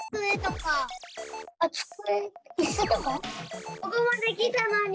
ここまできたのに。